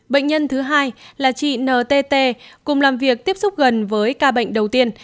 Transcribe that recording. bệnh nhân thứ hai là chị ntt cùng làm việc tiếp xúc gần với ca bệnh đầu tiên